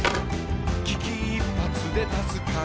「危機一髪で助かる」